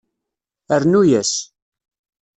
Rnu-yas.